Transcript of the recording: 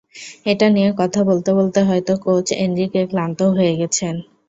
এটা নিয়ে কথা বলতে বলতে হয়তো কোচ এনরিকে ক্লান্তও হয়ে গেছেন।